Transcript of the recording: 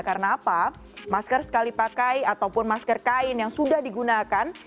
karena apa masker sekali pakai ataupun masker kain yang sudah digunakan